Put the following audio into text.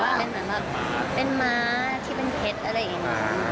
ว่าเป็นแบบเป็นม้าที่เป็นเผ็ดอะไรอย่างนี้